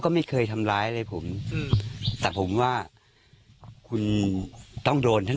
ก็ไม่เคยทำร้ายอะไรผมอืมแต่ผมว่าคุณต้องโดนทั้ง